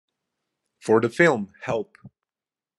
For the film Help!